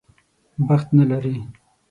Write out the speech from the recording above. بخت نه لري.